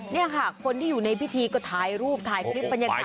นี่ค่ะคนที่อยู่ในพิธีก็ถ่ายรูปถ่ายคลิปบรรยากาศ